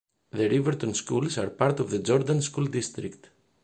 The Riverton schools are part of the Jordan School District.